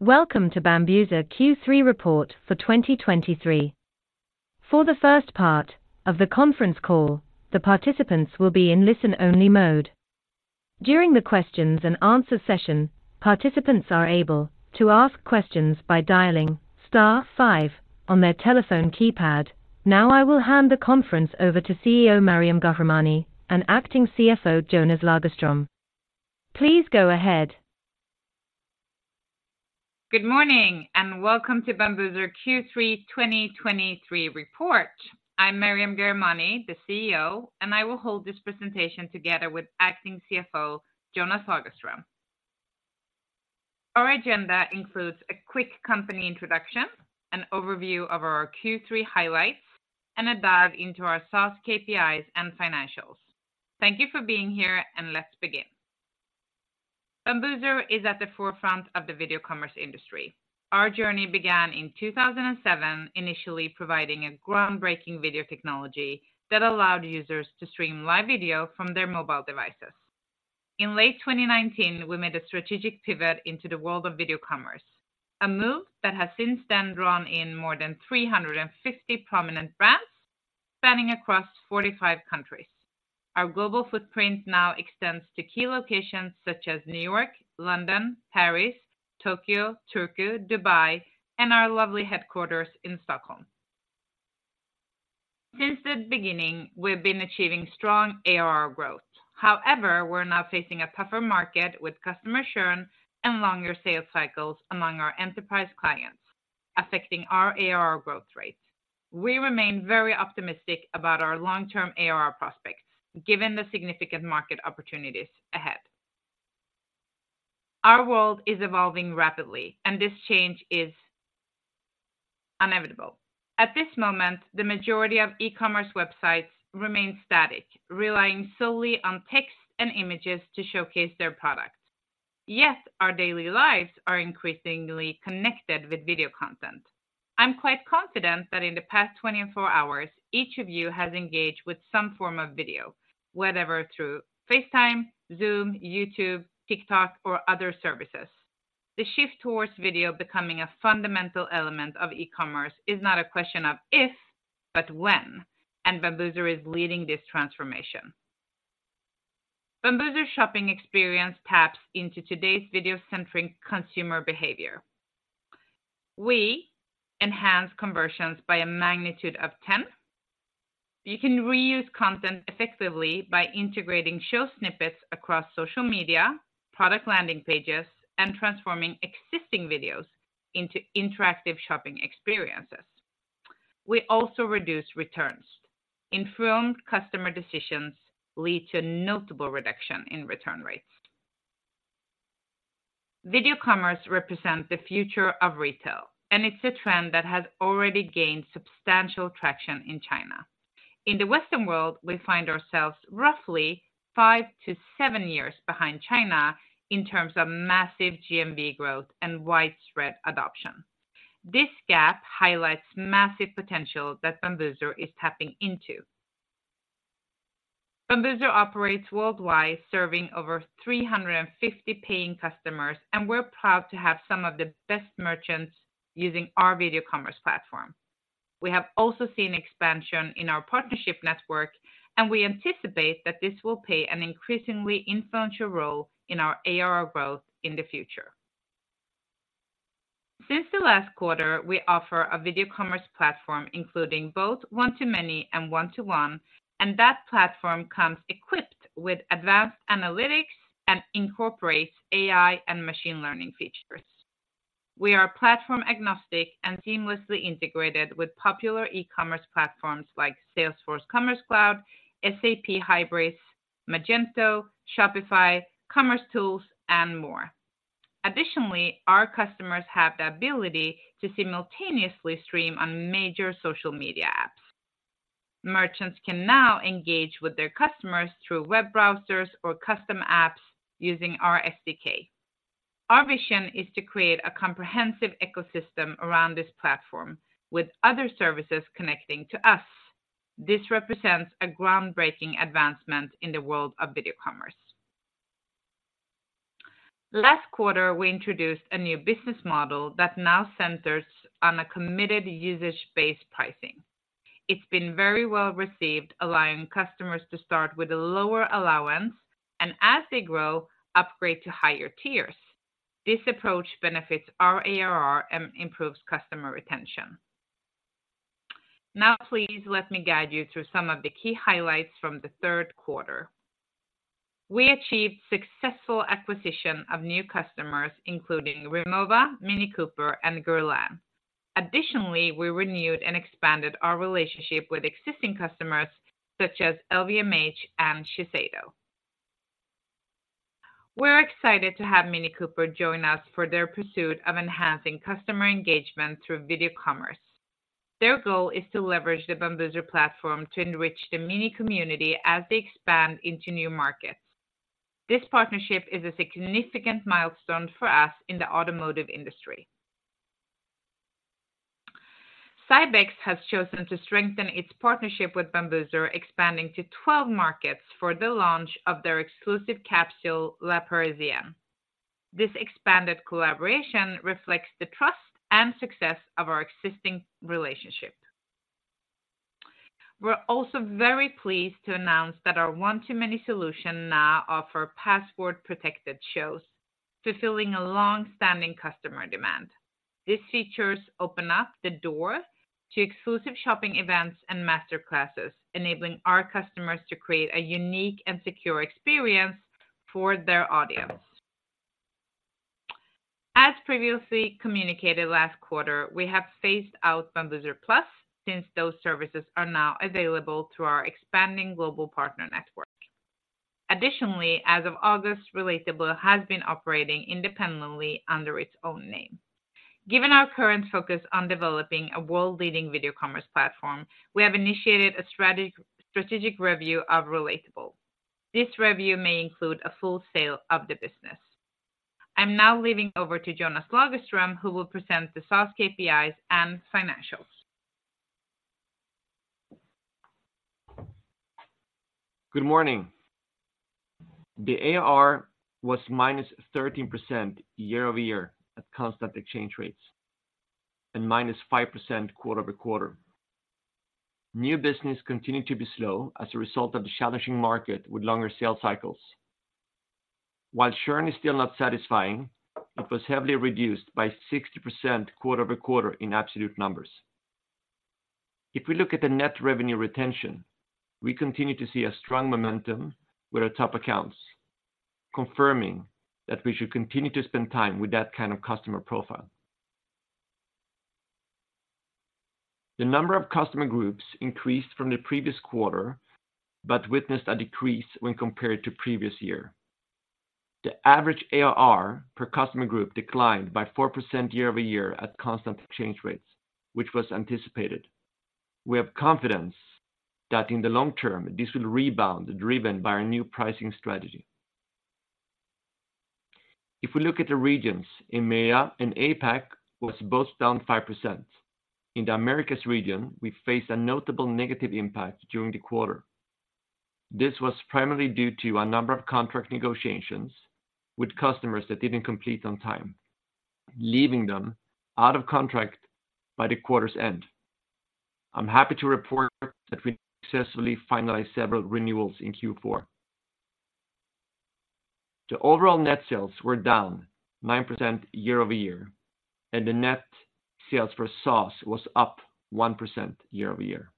Welcome to Bambuser Q3 report for 2023. For the first part of the conference call, the participants will be in listen-only mode. During the questions and answer session, participants are able to ask questions by dialing star five on their telephone keypad. Now, I will hand the conference over to CEO Maryam Ghahremani and Acting CFO Jonas Lagerström. Please go ahead. Good morning, and welcome to Bambuser Q3 2023 report. I'm Maryam Ghahremani, the CEO, and I will hold this presentation together with acting CFO, Jonas Lagerström. Our agenda includes a quick company introduction, an overview of our Q3 highlights, and a dive into our SaaS KPIs and financials. Thank you for being here, and let's begin. Bambuser is at the forefront of the video commerce industry. Our journey began in 2007, initially providing a groundbreaking video technology that allowed users to stream live video from their mobile devices. In late 2019, we made a strategic pivot into the world of video commerce, a move that has since then drawn in more than 350 prominent brands, spanning across 45 countries. Our global footprint now extends to key locations such as New York, London, Paris, Tokyo, Turku, Dubai, and our lovely headquarters in Stockholm. Since the beginning, we've been achieving strong ARR growth. However, we're now facing a tougher market with customer churn and longer sales cycles among our enterprise clients, affecting our ARR growth rates. We remain very optimistic about our long-term ARR prospects, given the significant market opportunities ahead. Our world is evolving rapidly, and this change is inevitable. At this moment, the majority of e-commerce websites remain static, relying solely on text and images to showcase their products, yet our daily lives are increasingly connected with video content. I'm quite confident that in the past 24 hours, each of you has engaged with some form of video, whether through FaceTime, Zoom, YouTube, TikTok, or other services. The shift towards video becoming a fundamental element of e-commerce is not a question of if, but when, and Bambuser is leading this transformation. Bambuser shopping experience taps into today's video-centric consumer behavior. We enhance conversions by a magnitude of 10. You can reuse content effectively by integrating show snippets across social media, product landing pages, and transforming existing videos into interactive shopping experiences. We also reduce returns. Informed customer decisions lead to notable reduction in return rates. Video commerce represents the future of retail, and it's a trend that has already gained substantial traction in China. In the Western world, we find ourselves roughly 5-7 years behind China in terms of massive GMV growth and widespread adoption. This gap highlights massive potential that Bambuser is tapping into. Bambuser operates worldwide, serving over 350 paying customers, and we're proud to have some of the best merchants using our video commerce platform. We have also seen expansion in our partnership network, and we anticipate that this will play an increasingly influential role in our ARR growth in the future. Since the last quarter, we offer a video commerce platform, including both one-to-many and one-to-one, and that platform comes equipped with advanced analytics and incorporates AI and machine learning features. We are platform-agnostic and seamlessly integrated with popular e-commerce platforms like Salesforce Commerce Cloud, SAP Hybris, Magento, Shopify, Commercetools, and more. Additionally, our customers have the ability to simultaneously stream on major social media apps. Merchants can now engage with their customers through web browsers or custom apps using our SDK. Our vision is to create a comprehensive ecosystem around this platform with other services connecting to us. This represents a groundbreaking advancement in the world of video commerce. Last quarter, we introduced a new business model that now centers on a committed usage-based pricing. It's been very well-received, allowing customers to start with a lower allowance, and as they grow, upgrade to higher tiers. This approach benefits our ARR and improves customer retention. Now, please let me guide you through some of the key highlights from the third quarter. We achieved successful acquisition of new customers, including RIMOWA, Mini Cooper, and Guerlain. Additionally, we renewed and expanded our relationship with existing customers, such as LVMH and Shiseido. We're excited to have Mini Cooper join us for their pursuit of enhancing customer engagement through video commerce. Their goal is to leverage the Bambuser platform to enrich the Mini community as they expand into new markets. This partnership is a significant milestone for us in the automotive industry. CYBEX has chosen to strengthen its partnership with Bambuser, expanding to 12 markets for the launch of their exclusive capsule, La Parisienne. This expanded collaboration reflects the trust and success of our existing relationship. We're also very pleased to announce that our one-to-many solution now offer password-protected shows, fulfilling a long-standing customer demand. These features open up the door to exclusive shopping events and master classes, enabling our customers to create a unique and secure experience for their audience. As previously communicated last quarter, we have phased out Bambuser Plus, since those services are now available through our expanding global partner network. Additionally, as of August, Relatable has been operating independently under its own name. Given our current focus on developing a world-leading video commerce platform, we have initiated a strategic review of Relatable. This review may include a full sale of the business. I'm now leaving over to Jonas Lagerström, who will present the SaaS KPIs and financials. Good morning. The ARR was -13% year-over-year at constant exchange rates, and -5% quarter-over-quarter. New business continued to be slow as a result of the challenging market with longer sales cycles. While churn is still not satisfying, it was heavily reduced by 60% quarter-over-quarter in absolute numbers. If we look at the net revenue retention, we continue to see a strong momentum with our top accounts, confirming that we should continue to spend time with that kind of customer profile. The number of customer groups increased from the previous quarter, but witnessed a decrease when compared to previous year. The average ARR per customer group declined by 4% year-over-year at constant exchange rates, which was anticipated. We have confidence that in the long term, this will rebound, driven by our new pricing strategy. If we look at the regions, EMEA and APAC was both down 5%. In the Americas region, we faced a notable negative impact during the quarter. This was primarily due to a number of contract negotiations with customers that didn't complete on time, leaving them out of contract by the quarter's end. I'm happy to report that we successfully finalized several renewals in Q4. The overall net sales were down 9% year-over-year, and the net sales for SaaS was up 1% year-over-year.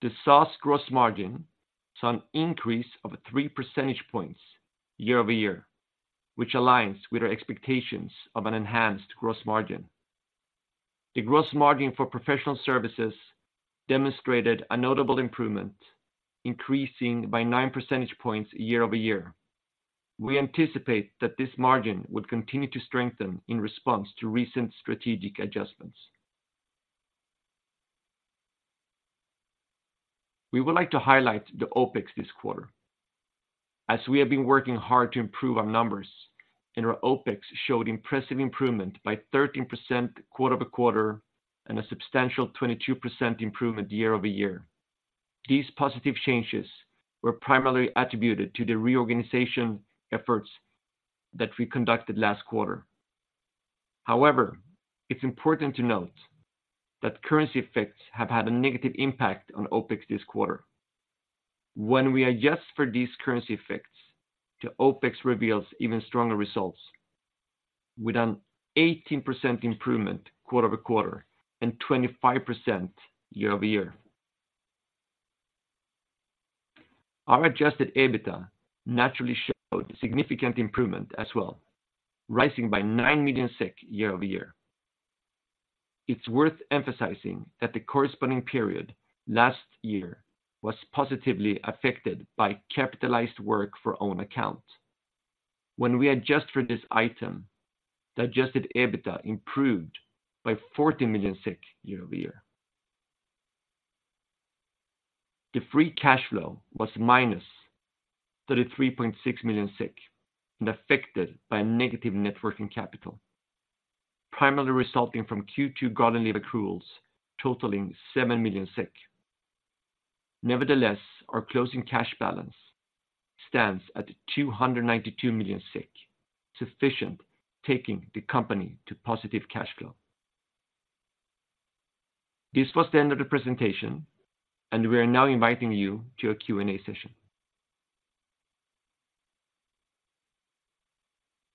The SaaS gross margin saw an increase of 3 percentage points year-over-year, which aligns with our expectations of an enhanced gross margin. The gross margin for professional services demonstrated a notable improvement, increasing by 9 percentage points year-over-year. We anticipate that this margin would continue to strengthen in response to recent strategic adjustments. We would like to highlight the OpEx this quarter, as we have been working hard to improve our numbers, and our OpEx showed impressive improvement by 13% quarter-over-quarter and a substantial 22% improvement year-over-year. These positive changes were primarily attributed to the reorganization efforts that we conducted last quarter. However, it's important to note that currency effects have had a negative impact on OpEx this quarter. When we adjust for these currency effects, the OpEx reveals even stronger results, with an 18% improvement quarter-over-quarter and 25% year-over-year. Our adjusted EBITDA naturally showed significant improvement as well, rising by 9 million year-over-year. It's worth emphasizing that the corresponding period last year was positively affected by capitalized work for own account. When we adjust for this item, the adjusted EBITDA improved by 40 million SEK year-over-year. The free cash flow was -33.6 million and affected by negative working capital, primarily resulting from Q2 garden leave accruals totaling 7 million SEK. Nevertheless, our closing cash balance stands at 292 million, sufficient taking the company to positive cash flow. This was the end of the presentation, and we are now inviting you to a Q&A session.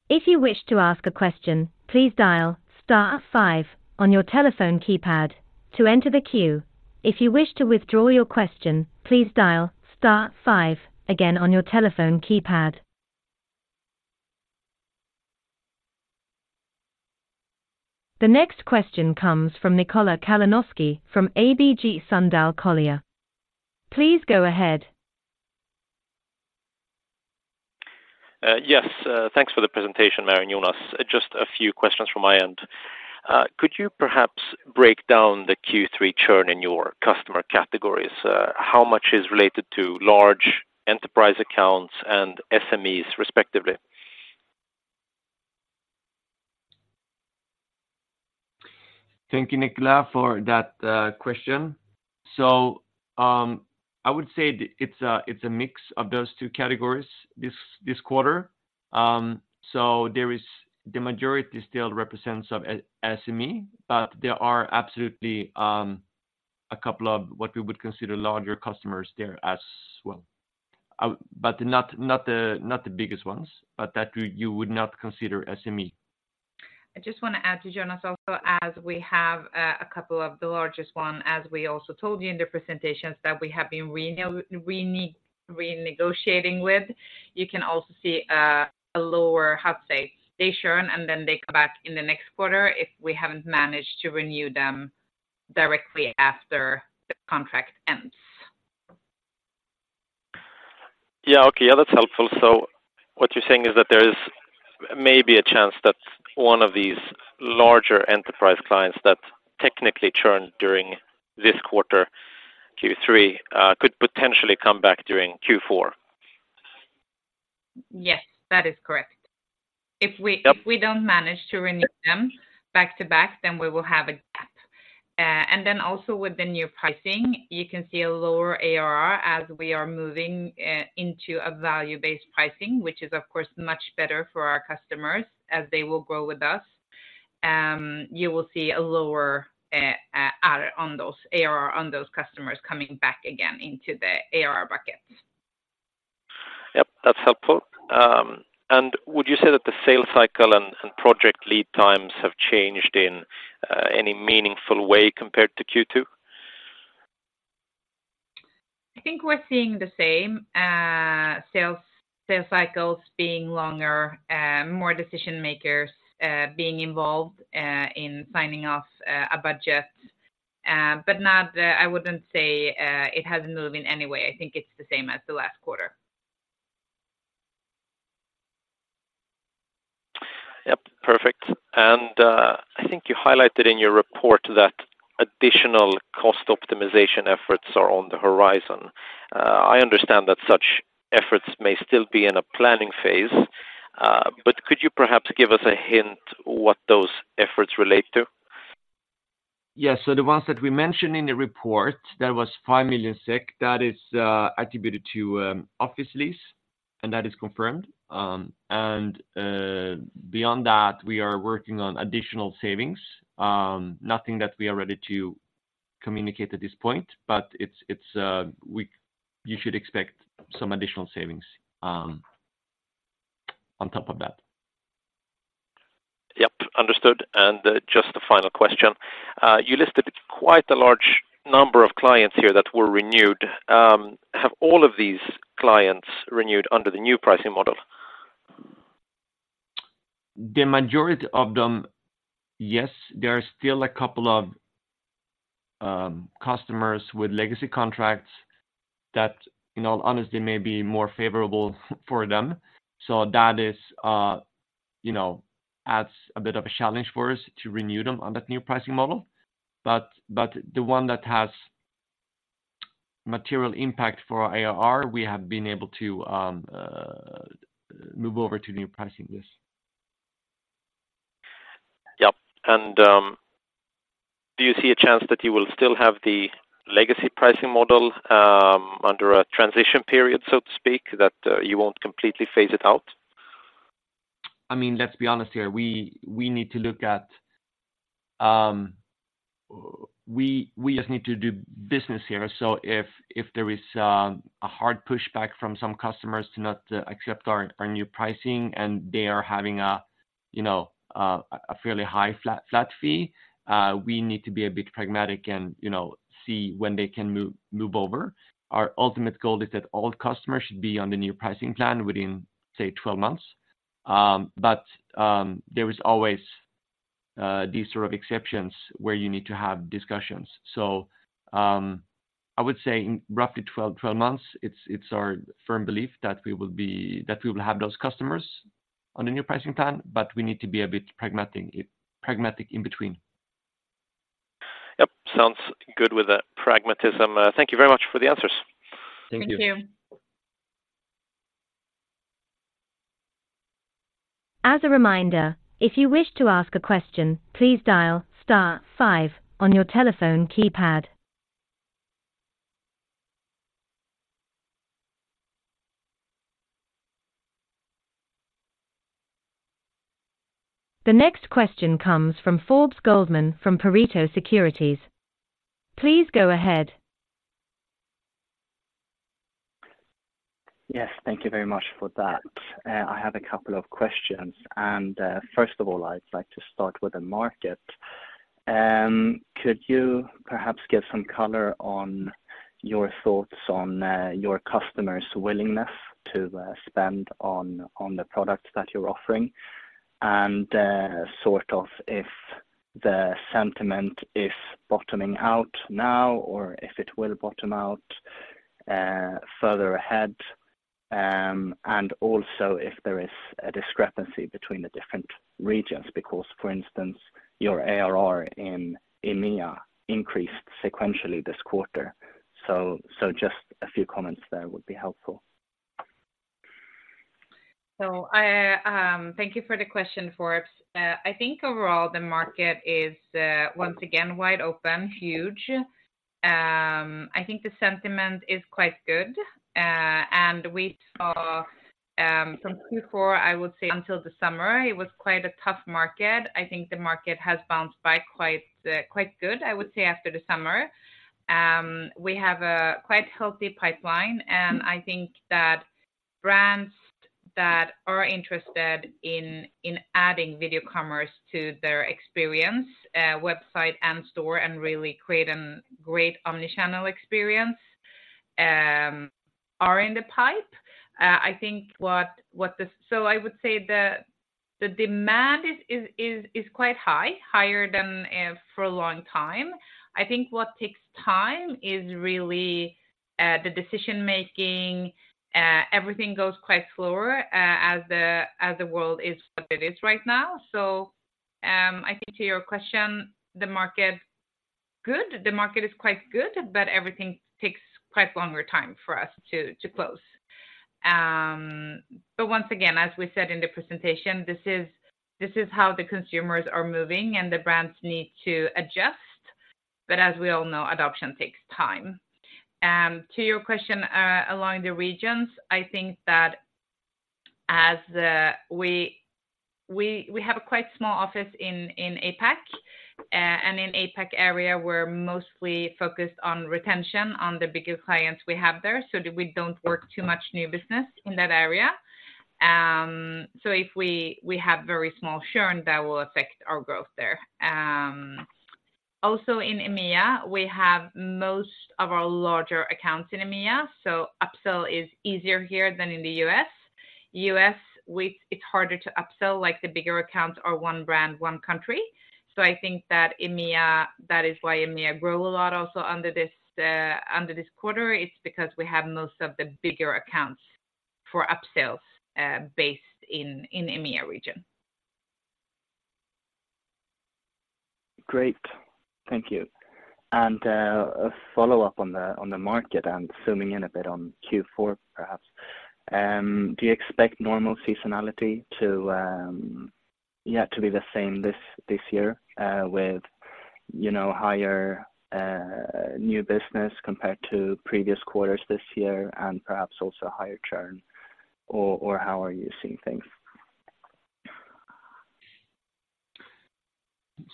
If you wish to ask a question, please dial star five on your telephone keypad to enter the queue. If you wish to withdraw your question, please dial star five again on your telephone keypad. The next question comes from Nikola Kalanoski from ABG Sundal Collier. Please go ahead. Yes, thanks for the presentation, Maryam and Jonas. Just a few questions from my end. Could you perhaps break down the Q3 churn in your customer categories, how much is related to large enterprise accounts and SMEs, respectively? Thank you, Nikola, for that question. So, I would say it's a mix of those two categories this quarter. So there is the majority still represents of SME, but there are absolutely a couple of what we would consider larger customers there as well. But not the biggest ones, but that you would not consider SME. I just wanna add to Jonas also, as we have a couple of the largest one, as we also told you in the presentations, that we have been renegotiating with. You can also see a lower, how to say, stay churn, and then they come back in the next quarter if we haven't managed to renew them directly after the contract ends. Yeah, okay. Yeah, that's helpful. So what you're saying is that there is maybe a chance that one of these larger enterprise clients that technically churned during this quarter, Q3, could potentially come back during Q4? Yes, that is correct. If we- Yep. If we don't manage to renew them back-to-back, then we will have a gap. And then also with the new pricing, you can see a lower ARR as we are moving into a value-based pricing, which is, of course, much better for our customers as they will grow with us. You will see a lower ARR on those customers coming back again into the ARR buckets. Yep, that's helpful. And would you say that the sales cycle and project lead times have changed in any meaningful way compared to Q2? I think we're seeing the same sales cycles being longer, more decision makers being involved in signing off a budget, but I wouldn't say it has moved in any way. I think it's the same as the last quarter. Yep, perfect. I think you highlighted in your report that additional cost optimization efforts are on the horizon. I understand that such efforts may still be in a planning phase, but could you perhaps give us a hint what those efforts relate to? Yes, so the ones that we mentioned in the report, that was 5 million. That is attributed to office lease, and that is confirmed. Beyond that, we are working on additional savings. Nothing that we are ready to communicate at this point, but it's you should expect some additional savings on top of that. Yep, understood. And just a final question. You listed quite a large number of clients here that were renewed. Have all of these clients renewed under the new pricing model? The majority of them, yes. There are still a couple of customers with legacy contracts that, in all honesty, may be more favorable for them. So that is, you know, adds a bit of a challenge for us to renew them on that new pricing model. But the one that has material impact for our ARR, we have been able to move over to the new pricing, yes. Yep. And, do you see a chance that you will still have the legacy pricing model under a transition period, so to speak, that you won't completely phase it out? I mean, let's be honest here, we need to look at. We just need to do business here. So if there is a hard pushback from some customers to not accept our new pricing, and they are having a, you know, a fairly high flat fee, we need to be a bit pragmatic and, you know, see when they can move over. Our ultimate goal is that all customers should be on the new pricing plan within, say, 12 months. But there is always these sort of exceptions where you need to have discussions. So I would say in roughly 12 months, it's our firm belief that we will have those customers on a new pricing plan, but we need to be a bit pragmatic in between. Yep, sounds good with the pragmatism. Thank you very much for the answers. Thank you. Thank you. As a reminder, if you wish to ask a question, please dial star five on your telephone keypad. The next question comes from Forbes Goldman, from Pareto Securities. Please go ahead. Yes, thank you very much for that. I have a couple of questions, and first of all, I'd like to start with the market. Could you perhaps give some color on your thoughts on your customers' willingness to spend on the products that you're offering? And sort of if the sentiment is bottoming out now or if it will bottom out further ahead? And also if there is a discrepancy between the different regions, because, for instance, your ARR in EMEA increased sequentially this quarter. So just a few comments there would be helpful. So I thank you for the question, Forbes. I think overall, the market is once again wide open, huge. I think the sentiment is quite good. and we saw from Q4, I would say until the summer, it was quite a tough market. I think the market has bounced back quite, quite good, I would say, after the summer. We have a quite healthy pipeline, and I think that brands that are interested in adding video commerce to their experience, website and store, and really create a great omni-channel experience, are in the pipe. I think what this—so I would say the demand is quite high, higher than for a long time. I think what takes time is really the decision making. Everything goes quite slower, as the world is what it is right now. So, I think to your question, the market good? The market is quite good, but everything takes quite longer time for us to close. But once again, as we said in the presentation, this is how the consumers are moving and the brands need to adjust. But as we all know, adoption takes time. To your question, along the regions, I think that as we have a quite small office in APAC. And in APAC area, we're mostly focused on retention on the bigger clients we have there, so we don't work too much new business in that area. So if we have very small churn that will affect our growth there. Also in EMEA, we have most of our larger accounts in EMEA, so upsell is easier here than in the U.S. U.S., it's harder to upsell, like the bigger accounts are one brand, one country. So I think that EMEA, that is why EMEA grow a lot also under this quarter, it's because we have most of the bigger accounts for upsells, based in EMEA region. Great. Thank you. And a follow-up on the market and zooming in a bit on Q4, perhaps. Do you expect normal seasonality to yeah, to be the same this year, with you know, higher new business compared to previous quarters this year, and perhaps also higher churn, or how are you seeing things?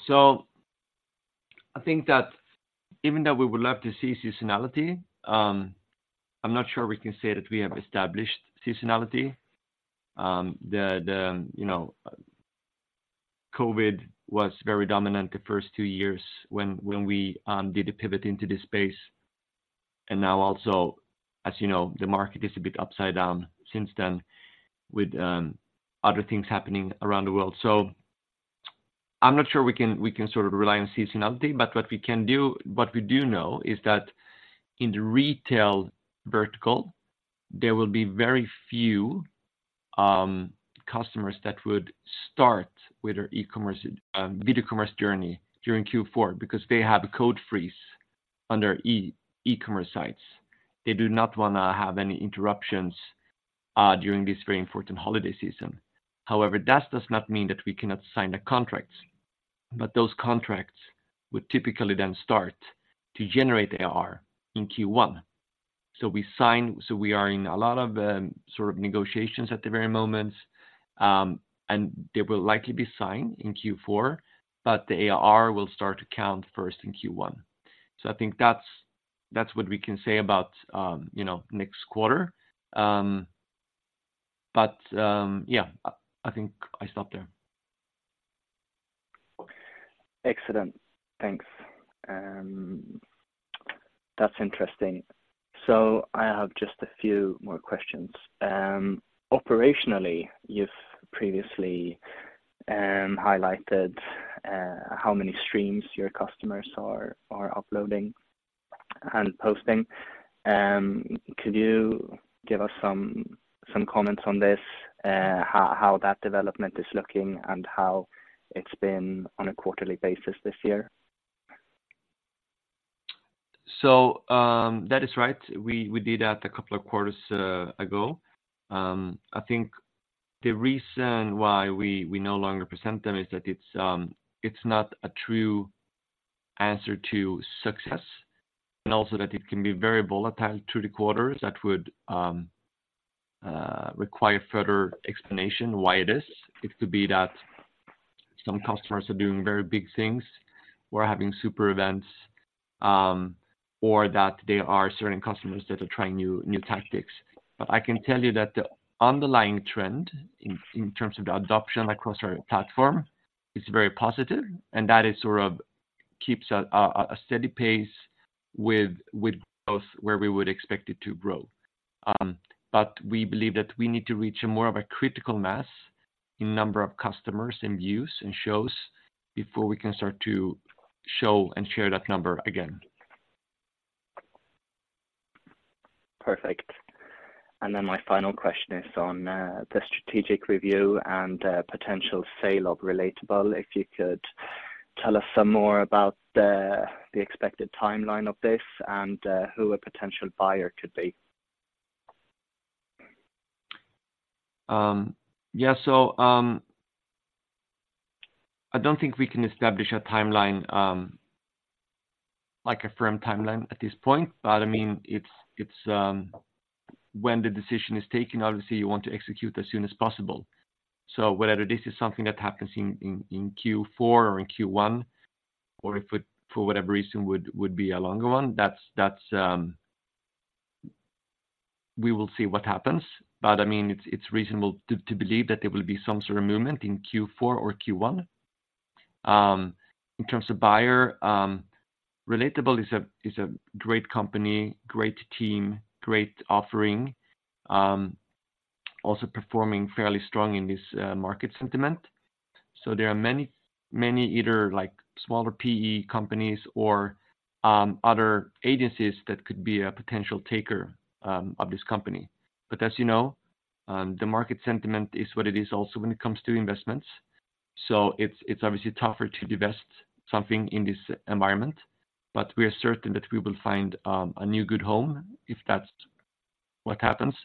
So I think that even though we would love to see seasonality, I'm not sure we can say that we have established seasonality. You know, COVID was very dominant the first two years when we did a pivot into this space. And now also, as you know, the market is a bit upside down since then, with other things happening around the world. So I'm not sure we can sort of rely on seasonality, but what we can do, what we do know is that in the retail vertical, there will be very few customers that would start with their e-commerce video commerce journey during Q4, because they have a code freeze on their e-commerce sites. They do not want to have any interruptions during this very important holiday season. However, that does not mean that we cannot sign the contracts, but those contracts would typically then start to generate ARR in Q1. So we are in a lot of sort of negotiations at the very moment, and they will likely be signed in Q4, but the ARR will start to count first in Q1. So I think that's what we can say about, you know, next quarter. But yeah, I think I stop there. Excellent. Thanks. That's interesting. So I have just a few more questions. Operationally, you've previously highlighted how many streams your customers are uploading and posting. Could you give us some comments on this, how that development is looking and how it's been on a quarterly basis this year? So, that is right. We did that a couple of quarters ago. I think the reason why we no longer present them is that it's not a true answer to success, and also that it can be very volatile to the quarters that would require further explanation why it is. It could be that some customers are doing very big things or having super events, or that there are certain customers that are trying new tactics. But I can tell you that the underlying trend in terms of the adoption across our platform is very positive, and that it sort of keeps a steady pace with both where we would expect it to grow. But we believe that we need to reach more of a critical mass-... in number of customers and views and shows before we can start to show and share that number again. Perfect. And then my final question is on the strategic review and potential sale of Relatable. If you could tell us some more about the expected timeline of this and who a potential buyer could be? Yeah. So, I don't think we can establish a timeline like a firm timeline at this point, but I mean, it's... When the decision is taken, obviously, you want to execute as soon as possible. So whether this is something that happens in Q4 or in Q1, or if it, for whatever reason, would be a longer one, that's we will see what happens. But I mean, it's reasonable to believe that there will be some sort of movement in Q4 or Q1. In terms of buyer, Relatable is a great company, great team, great offering, also performing fairly strong in this market sentiment. So there are many, many, either like smaller PE companies or other agencies that could be a potential taker of this company. But as you know, the market sentiment is what it is also when it comes to investments. So it's obviously tougher to divest something in this environment, but we are certain that we will find a new good home, if that's what happens,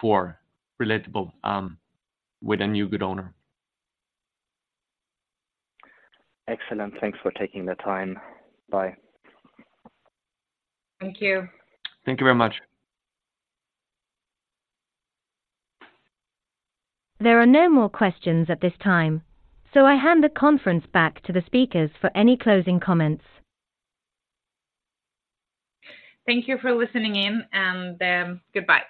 for Relatable, with a new good owner. Excellent. Thanks for taking the time. Bye. Thank you. Thank you very much. There are no more questions at this time, so I hand the conference back to the speakers for any closing comments. Thank you for listening in, and goodbye.